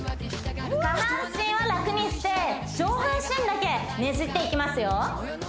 下半身は楽にして上半身だけねじっていきますよ